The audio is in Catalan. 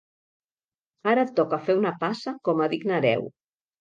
Ara et toca fer una passa com a digne hereu.